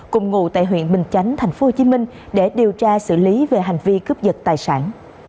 cùng ngụ tại huyện bình chánh tp hcm để điều tra xử lý về hành vi cướp giật tài sản